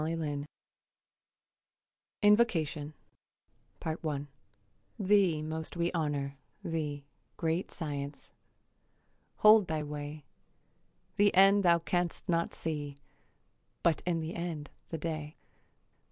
INVOCATION I Thee most we honour, thee, Great Science. Hold thy way. The end thou canst not see, But in the end the day.